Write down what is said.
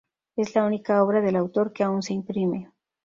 Es la única obra del autor que aún se imprime.